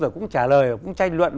rồi cũng trả lời cũng tranh luận